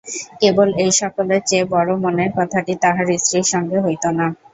কেবল এই সকলের চেয়ে বড়ো মনের কথাটি তাঁহার স্ত্রীর সঙ্গে হইত না।